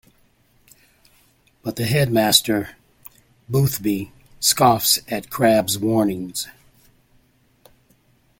But the headmaster, Boothby, scoffs at Crabbe's warnings.